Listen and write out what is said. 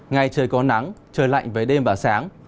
ngày trời có nắng trời lạnh với đêm và sáng